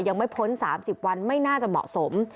ยังไม่พ้น๓๐วันไม่น่าจะเหมาะสม